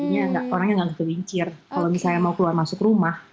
jadi orangnya nggak bisa wincir kalau misalnya mau keluar masuk rumah